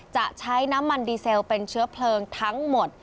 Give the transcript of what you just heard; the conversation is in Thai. จะใช้น้ำมันดีเซลเป็นเชื้อเพลิงทั้งหมด